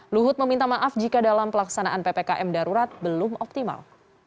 luhut meminta maaf jika dalam pelaksanaan ppkm darurat belum optimal